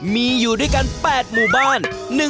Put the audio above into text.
มีอยู่ด้วยกัน๘หมู่บ้าน